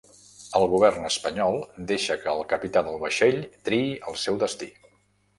El govern espanyol deixa que el capità del vaixell triï el seu destí